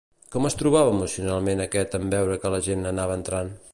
Com es trobava emocionalment aquest en veure que la gent anava entrant?